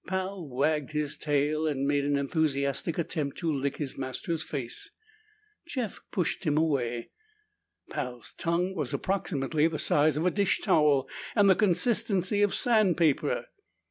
Pal wagged his tail and made an enthusiastic attempt to lick his master's face. Jeff pushed him away; Pal's tongue was approximately the size of a dish towel and the consistency of sand paper.